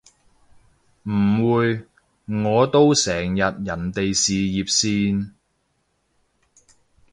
唔會，我都成日人哋事業線